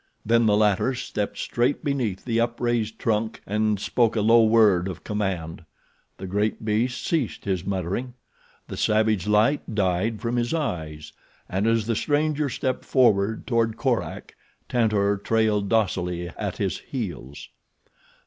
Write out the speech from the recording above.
Then the latter stepped straight beneath the upraised trunk and spoke a low word of command. The great beast ceased his muttering. The savage light died from his eyes, and as the stranger stepped forward toward Korak, Tantor trailed docilely at his heels.